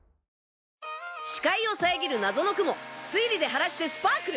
視界を遮る謎の雲推理で晴らしてスパークル！